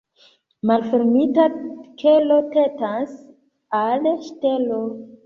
Malfermita kelo tentas al ŝtelo.